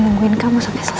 nungguin kamu sampai selesai